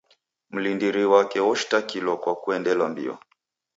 Mlindiri wape oshitakilwa kwa kuendelwa mbio.